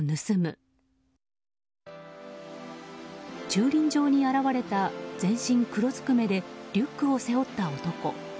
駐輪場に現れた全身黒ずくめでリュックを背負った男。